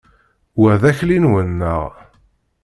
Wa d akli-nwen, neɣ?